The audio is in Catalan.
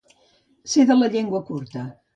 Ser de la llengua curta.